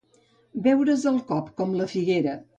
Beure's el cop, com la figuera.